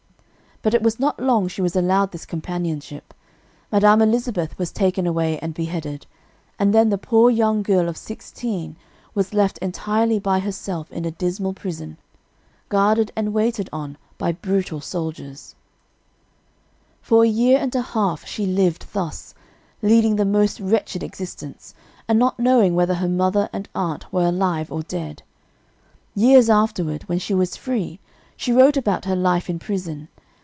"But it was not long she was allowed this companionship. Madame Elizabeth was taken away and beheaded, and then the poor young girl of sixteen was left entirely by herself in a dismal prison, guarded and waited on by brutal soldiers. [Illustration: Execution of Louis XVI] "For a year and a half she lived thus, leading the most wretched existence, and not knowing whether her mother and aunt were alive or dead. Years afterward, when she was free, she wrote about her life in prison.